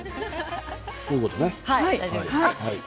こういうことね。